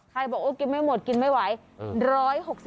บอกโอ้กินไม่หมดกินไม่ไหว